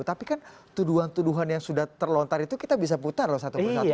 tapi kan tuduhan tuduhan yang sudah terlontar itu kita bisa putar loh satu persatu